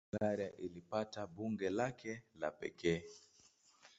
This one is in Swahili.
Hungaria ilipata bunge lake la pekee.